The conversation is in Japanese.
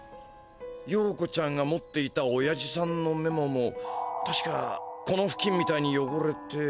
ヨーコちゃんが持っていたおやじさんのメモもたしかこのふきんみたいによごれて。